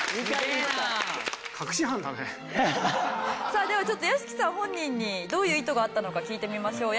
さあではちょっと屋敷さん本人にどういう意図があったのか聞いてみましょう。